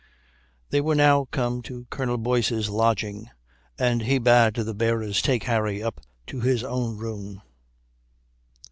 They were now come to Colonel Boyce's lodging and he bade the bearers take Harry up to his own room.